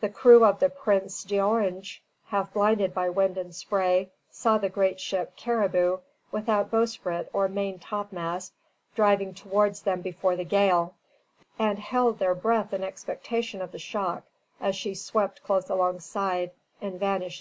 The crew of the "Prince d'Orange," half blinded by wind and spray, saw the great ship "Caribou," without bowsprit or main topmast, driving towards them before the gale, and held their breath in expectation of the shock as she swept close alongside and vanished in the storm.